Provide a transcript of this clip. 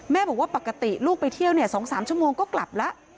บอกว่าปกติลูกไปเที่ยว๒๓ชั่วโมงก็กลับแล้ว